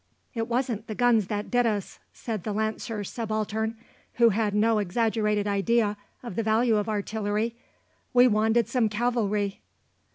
"It wasn't the guns that did us," said the Lancer Subaltern, who had no exaggerated idea of the value of artillery; "we wanted some cavalry."